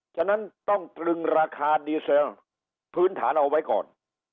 ฉะนั้นต้องตรึงราคาดีเซลพื้นฐานเอาไว้ก่อน